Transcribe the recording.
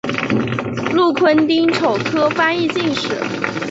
禄坤丁丑科翻译进士。